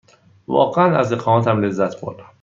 واقعاً از اقامتم لذت بردم.